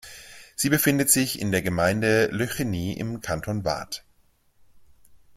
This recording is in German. Sie befindet sich in der Gemeinde Le Chenit im Kanton Waadt.